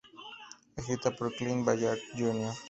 Escrita por Clint Ballard, Jr.